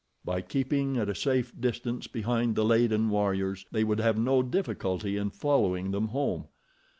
By keeping at a safe distance behind the laden warriors, they would have no difficulty in following them home.